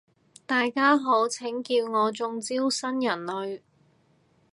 大家好，請叫我中招新人類